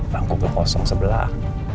bangku ke kosong sebelah